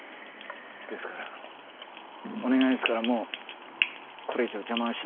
ですからお願いですからもうこれ以上邪魔はしないでください。